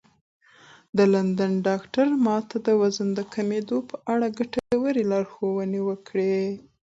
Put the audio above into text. د لندن ډاکتر ما ته د وزن کمولو په اړه ګټورې لارښوونې کړې وې.